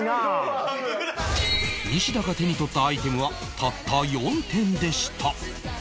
西田が手に取ったアイテムはたった４点でした